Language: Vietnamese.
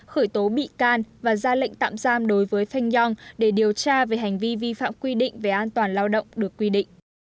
khởi tố bị can và ra lệnh tạm giam đối với feng yong để điều tra về hành vi vi phạm quy định về an toàn lao động được quy định